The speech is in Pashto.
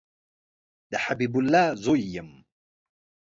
د حبیب الله زوی یم